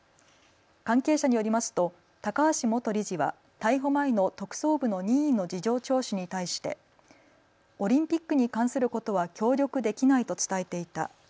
関係者によりますと高橋元理事は逮捕前の特捜部の任意の事情聴取に対してオリンピックに関することは協力できないと伝えていた。